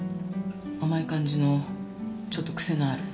甘い感じのちょっとクセのある。